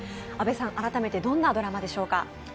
阿部さん、改めてどんなドラマでしょうか？